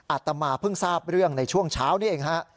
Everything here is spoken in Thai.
อาตมาเพิ่งทราบเรื่องในช่วงเช้านี้เองฮะ